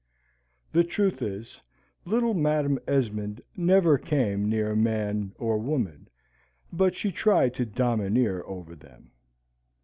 The truth is, little Madam Esmond never came near man or woman, but she tried to domineer over them.